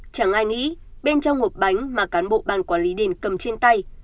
chẳng ai nghĩ bên trong hộp bánh mà cán bộ ban quản lý đền cầm trên tay